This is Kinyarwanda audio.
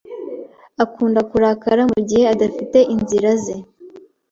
Akunda kurakara mugihe adafite inzira ze.